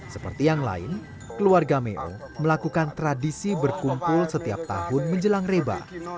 seperti yang lain keluarga meo melakukan tradisi berkumpul setiap tahun menjelang reba